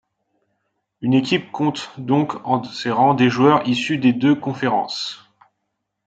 Une équipe compte donc en ses rangs des joueurs issus des deux conférences.